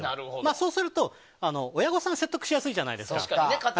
そうすると、親御さんを説得しやすいじゃないですか。